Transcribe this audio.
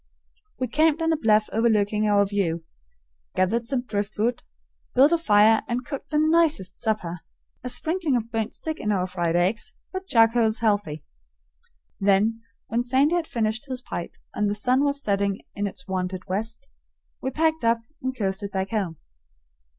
We camped on a bluff overlooking our view, gathered some driftwood, built a fire, and cooked the NICEST supper a sprinkling of burnt stick in our fried eggs, but charcoal's healthy. Then, when Sandy had finished his pipe and "the sun was setting in its wonted west," we packed up and coasted back home.